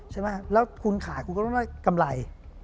ใช่ไหมแล้วคุณขายคุณก็ต้องได้กำไร